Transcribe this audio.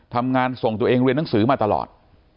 ทำงานส่งตัวเองเรียนหนังสือมาตลอด